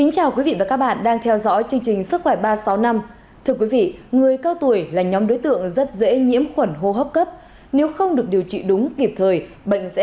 các bạn hãy đăng ký kênh để ủng hộ kênh của chúng mình nhé